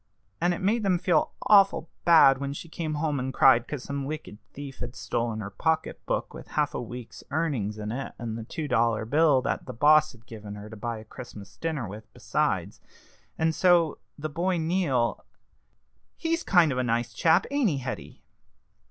And it made them feel awful bad when she came home and cried 'cause some wicked thief had stolen her pocket book with half a week's earnings in it, and the two dollar bill that the boss had given her to buy a Christmas dinner with besides. And so the boy Neal he's kind of a nice chap, ain't he, Hetty?"